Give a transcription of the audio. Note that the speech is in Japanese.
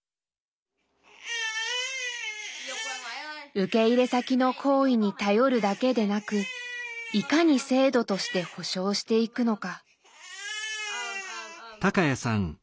受け入れ先の好意に頼るだけでなくいかに制度として保障していくのか。